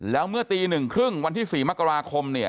แล้วเมื่อตีหนึ่งครึ่งวันที่สี่มหัวคมเนี้ย